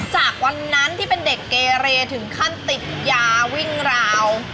จากวันนั้นที่เป็นเด็กเกเรถึงขั้นติดยาวิ่งราว